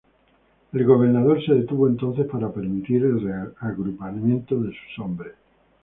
El gobernador se detuvo entonces para permitir el reagrupamiento de sus hombres.